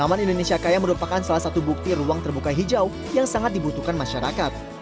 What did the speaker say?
taman indonesia kaya merupakan salah satu bukti ruang terbuka hijau yang sangat dibutuhkan masyarakat